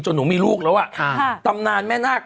หนูมีลูกแล้วอ่ะตำนานแม่นาค